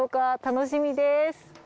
楽しみです。